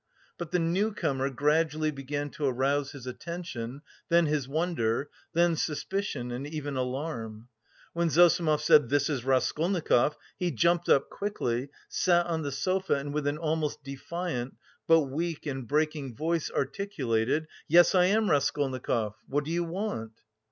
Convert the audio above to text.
But the new comer gradually began to arouse his attention, then his wonder, then suspicion and even alarm. When Zossimov said "This is Raskolnikov" he jumped up quickly, sat on the sofa and with an almost defiant, but weak and breaking, voice articulated: "Yes, I am Raskolnikov! What do you want?"